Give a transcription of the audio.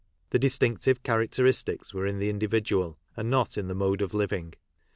The distinctive cha racteristics were in the individual, and not in the mode of living.